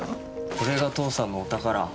これが父さんのお宝。